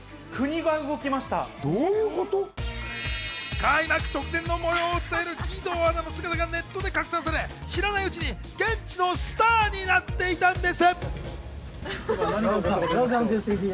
開幕直前の模様を伝える義堂アナの姿がネットで拡散され、知らないうちに現地のスターになっていたんです。